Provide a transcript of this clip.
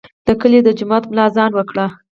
د کلي د جومات ملا اذان وکړ.